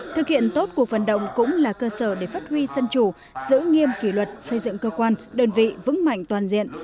thực hiện tốt cuộc vận động cũng là cơ sở để phát huy dân chủ giữ nghiêm kỷ luật xây dựng cơ quan đơn vị vững mạnh toàn diện